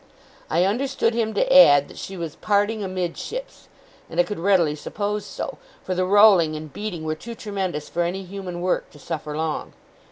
I understood him to add that she was parting amidships, and I could readily suppose so, for the rolling and beating were too tremendous for any human work to suffer long.